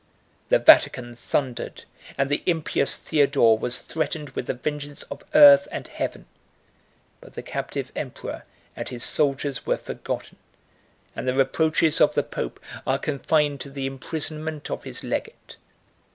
The Vatican thundered; and the impious Theodore was threatened with the vengeance of earth and heaven; but the captive emperor and his soldiers were forgotten, and the reproaches of the pope are confined to the imprisonment of his legate.